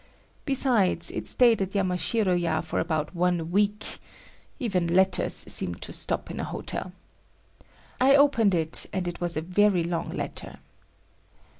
Besides, it stayed at Yamashiro ya for about one week; even letters seemed to stop in a hotel. I opened it, and it was a very long letter.